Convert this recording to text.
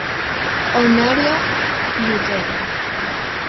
Honorio Pueyrredón.